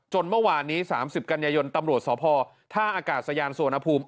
เมื่อวานนี้๓๐กันยายนตำรวจสพท่าอากาศยานสุวรรณภูมิ